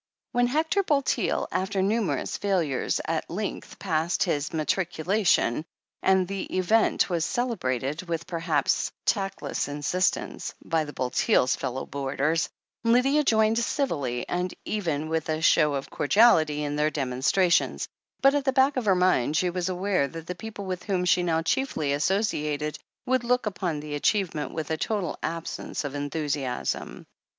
When Hector Bulteel,' after numerous failures, at length passed his Matriculation, and the event was celebrated, with perhaps tactless insistence, by the Bul teels' fellow boarders, Lydia joined civilly and even with a show of cordiality in their demonstrations, but at the back of her mind she was aware that the people with whom she now chiefly associated would look upon the achievement with a total absence of enthusiasm.